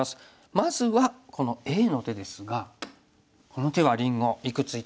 まずはこのＡの手ですがこの手はりんごいくつ頂けますか？